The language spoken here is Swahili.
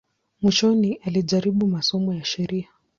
Mwishoni alijaribu masomo ya sheria.